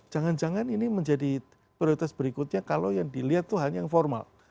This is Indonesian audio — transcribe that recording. jangan jangan ini menjadi prioritas berikutnya kalau yang dilihat itu hal yang formal